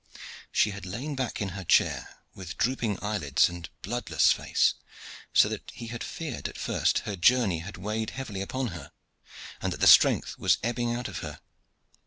She had lain back in her chair, with drooping eyelids and bloodless face, so that he had feared at first her journey had weighed heavily upon her, and that the strength was ebbing out of her.